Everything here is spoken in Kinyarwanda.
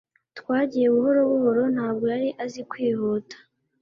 twagiye buhoro buhoro, ntabwo yari azi kwihuta